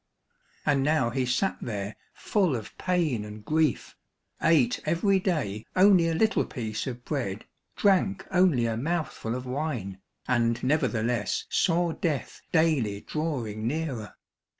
And now he sat there full of pain and grief, ate every day only a little piece of bread, drank only a mouthful of wine, and nevertheless saw death daily drawing nearer.